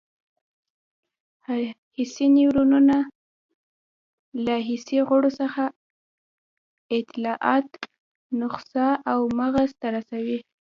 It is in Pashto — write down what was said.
حسي نیورونونه له حسي غړو څخه اطلاعات نخاع او مغز ته رسوي.